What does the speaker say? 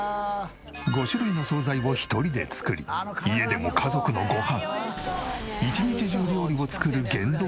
５種類の惣菜を一人で作り家でも家族のご飯。